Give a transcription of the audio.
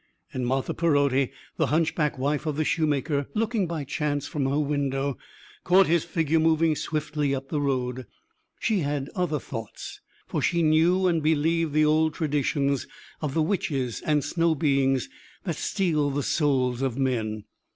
And Marthe Perotti, the hunchback wife of the shoemaker, looking by chance from her window, caught his figure moving swiftly up the road. She had other thoughts, for she knew and believed the old traditions of the witches and snow beings that steal the souls of men.